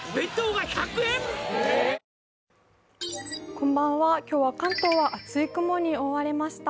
こんばんは、今日は関東は厚い雲に覆われました。